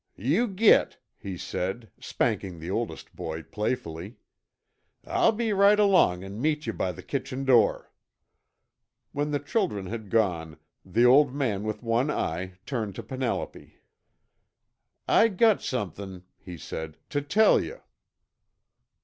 "Yew git," he said, spanking the oldest boy playfully. "I'll be right along an' meet yuh by the kitchen door." When the children had gone, the old man with one eye turned to Penelope. "I got somethin'," he said, "tuh tell you."